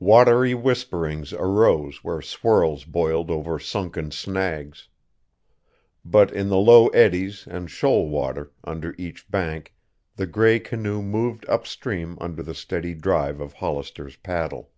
Watery whisperings arose where swirls boiled over sunken snags. But in the slow eddies and shoal water under each bank the gray canoe moved up stream under the steady drive of Hollister's paddle.